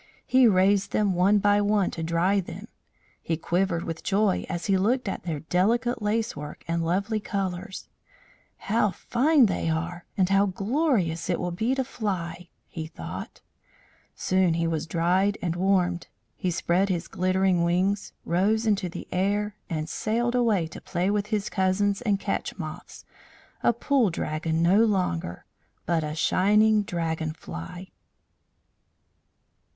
He raised them one by one to dry them. He quivered with joy as he looked at their delicate lacework and lovely colours. "How fine they are! And how glorious it will be to fly!" he thought. Soon he was dried and warmed. He spread his glittering wings, rose into the air, and sailed away to play with his cousins and catch moths a Pool Dragon no longer, but a shining Dragon fly.